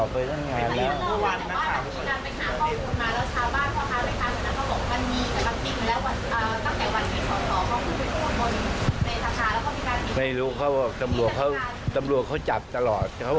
เพราะว่านายกเป็นคนกำลังจะวิ่งไปที่ไหน